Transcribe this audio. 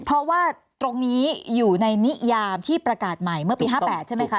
เพราะว่าตรงนี้อยู่ในนิยามที่ประกาศใหม่เมื่อปี๕๘ใช่ไหมคะ